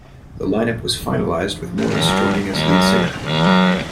The lineup was finalised with Morris joining as lead singer.